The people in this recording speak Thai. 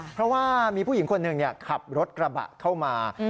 เพราะว่ามีผู้หญิงคนหนึ่งขับรถกระบะเข้ามา